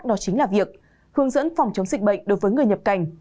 đó chính là việc hướng dẫn phòng chống dịch bệnh đối với người nhập cảnh